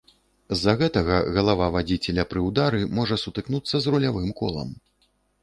З-за гэтага галава вадзіцеля пры ўдары можа сутыкнуцца з рулявым колам.